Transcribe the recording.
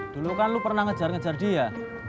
dulu kan lu pernah ngejar ngejar dia